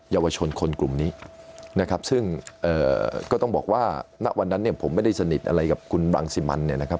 เยาวชนคนกลุ่มนี้นะครับซึ่งก็ต้องบอกว่าณวันนั้นเนี่ยผมไม่ได้สนิทอะไรกับคุณรังสิมันเนี่ยนะครับ